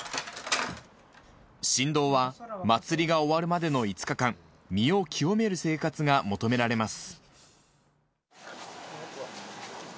神童は祭りが終わるまでの５日間、身を清める生活が求められます。